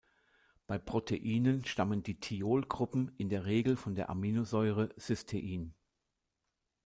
Bei Proteinen stammen die Thiol-Gruppen in der Regel von der Aminosäure Cystein.